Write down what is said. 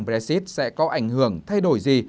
brexit sẽ có ảnh hưởng thay đổi gì